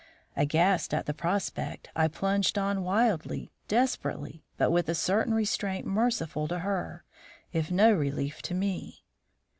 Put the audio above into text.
Aghast at the prospect, I plunged on wildly, desperately, but with a certain restraint merciful to her, if no relief to me.